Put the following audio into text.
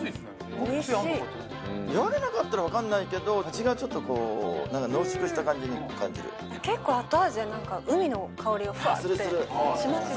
おいしい言われなかったら分かんないけど味がちょっとこうなんか濃縮した感じに感じる結構後味でなんか海の香りがフワってしますよね？